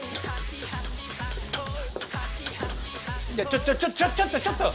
ちょちょちょちょっとちょっと！